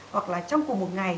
hoặc là trong cùng một ngày